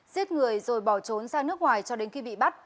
giết người rồi bỏ trốn sang nước ngoài cho đến khi bị bắt